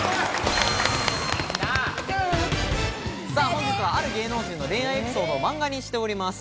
本日は、ある芸能人の恋愛エピソードを漫画にしております。